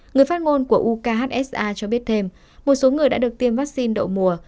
người phát ngôn của ukhsa cho biết thêm một số người đã được tiêm vaccine đậu mùa